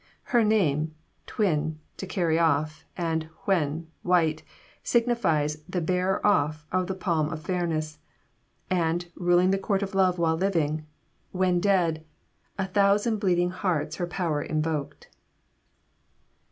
Her name Dwyn, to carry off, and wen, white signifies the bearer off of the palm of fairness; and, ruling the court of love while living, when dead A thousand bleeding hearts her power invoked.